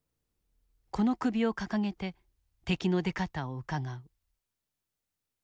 この首を掲げて敵の出方をうかがう。